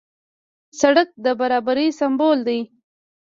سړک د برابرۍ سمبول دی.